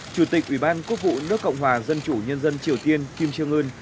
chủ tịch ủy ban quốc vụ nước cộng hòa dân chủ nhân dân triều tiên kim trương ưn